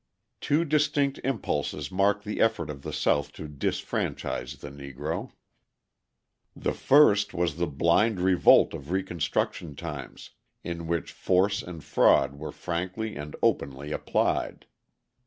Two distinct impulses mark the effort of the South to disfranchise the Negro. The first was the blind revolt of Reconstruction times, in which force and fraud were frankly and openly applied.